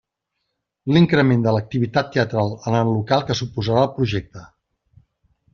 L'increment de l'activitat teatral en el local que suposarà el projecte.